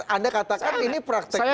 anda katakan ini prakteknya